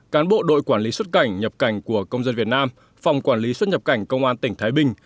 cán bộ đội quản lý xuất cảnh nhập cảnh của công dân việt nam phòng quản lý xuất nhập cảnh công an tỉnh thái bình